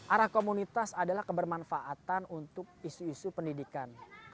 arah komunitas adalah kebermanfaatan untuk isu isu pendidikan